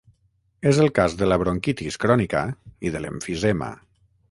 És el cas de la bronquitis crònica i de l’emfisema.